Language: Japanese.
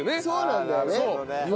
そうなんだよね。